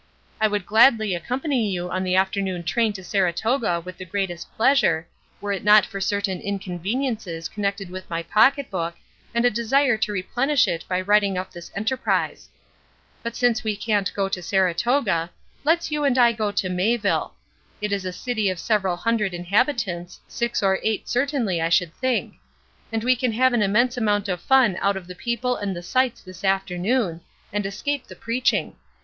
I would gladly accompany you on the afternoon train to Saratoga with the greatest pleasure, were it not for certain inconveniences connected with my pocket book, and a desire to replenish it by writing up this enterprise. But since we can't go to Saratoga, let's you and I go to Mayville. It is a city of several hundred inhabitants, six or eight, certainly, I should think; and we can have an immense amount of fun out of the people and the sights this afternoon, and escape the preaching.